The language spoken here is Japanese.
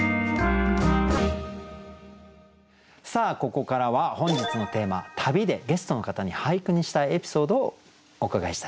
ここからは本日のテーマ「旅」でゲストの方に俳句にしたいエピソードをお伺いしたいと思います。